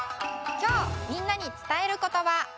きょうみんなに伝えることば。